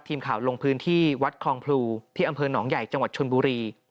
ทีมข่าวลงพื้นที่วัดคลองพลูที่อำเภอหนองใหญ่จังหวัดชนบุรี